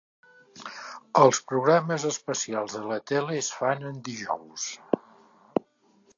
Els programes especials de la tele es fan en dijous.